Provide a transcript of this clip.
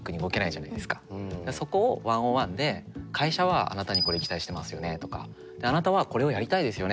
そこを１ｏｎ１で「会社はあなたにこれ期待してますよね」とか「あなたはこれをやりたいですよね。